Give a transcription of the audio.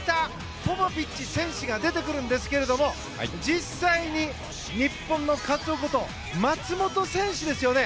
ポポビッチ選手が出てくるんですが実際に日本のカツオこと松元選手ですよね。